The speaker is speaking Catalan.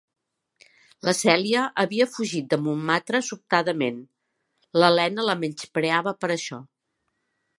La Cèlia havia fugit de Montmartre sobtadament; l'Helena la menyspreava per això.